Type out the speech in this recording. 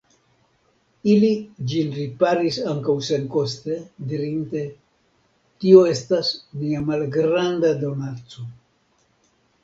Ili ĝin riparis ankaŭ senkoste, dirinte: Tio estas nia malgranda donaco.